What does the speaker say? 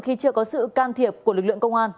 khi chưa có sự can thiệp của lực lượng công an